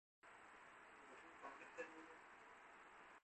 Mùa thu vắng những cơn mưa